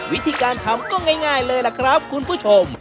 วิธีการทำก็ง่ายเลยล่ะครับคุณผู้ชม